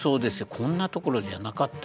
こんなところじゃなかった。